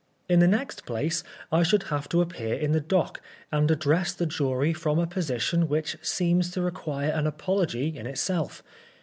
In the next place, I should have to appear in the dock, and address the jury from a position which seems to require an apology in itself.